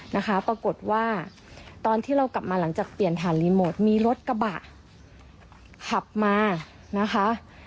นะคะปรากฏว่าตอนที่เรากลับมาหลังจากเปลี่ยนฐานรีโมทมีรถกระบะขับมานะคะ